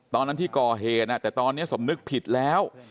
ตอนนั้นที่ก่อเหตุแต่ตอนนี้สมนึกผิดแล้ว